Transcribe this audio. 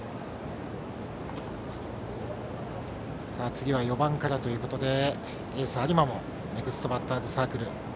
次は４番からということでエース有馬もネクストバッターズサークル。